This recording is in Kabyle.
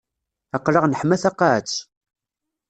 Aql-aɣ neḥma taqaɛet.